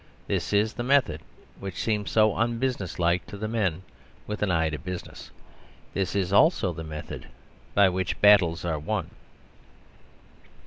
This is the method which seems so unbusinesslike to the men with an eye to business. This is also the method by which battles are won.